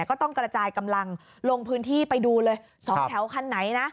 ก็ต้องกระจายกำลังลงพื้นที่ไปดูเลย๒แถวคันไหนนะ